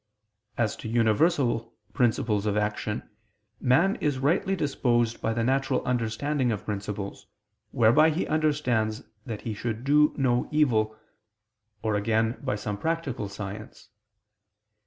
As to universal principles of action, man is rightly disposed by the natural understanding of principles, whereby he understands that he should do no evil; or again by some practical science.